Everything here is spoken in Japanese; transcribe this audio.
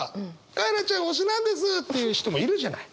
「カエラちゃん推しなんです！」という人もいるじゃない。